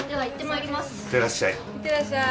いってらっしゃい。